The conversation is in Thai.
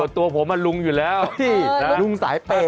ตัวผมลุงอยู่แล้วลุงสายเปย์